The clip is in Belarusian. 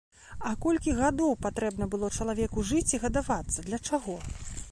А колькі гадоў патрэбна было чалавеку жыць і гадавацца, для чаго?